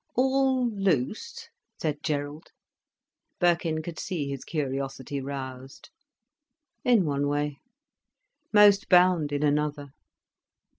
"All loose?" said Gerald. Birkin could see his curiosity roused. "In one way. Most bound, in another.